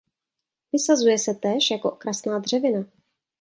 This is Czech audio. Vysazuje se též jako okrasná dřevina.